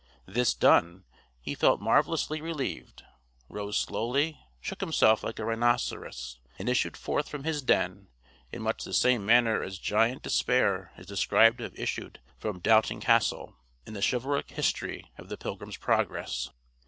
This done, he felt marvelously relieved, rose slowly, shook himself like a rhinoceros, and issued forth from his den, in much the same manner as Giant Despair is described to have issued from Doubting Castle, in the chivalric history of the Pilgrim's Progress.